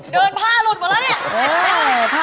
ผ้าหลุดหมดแล้วเนี่ย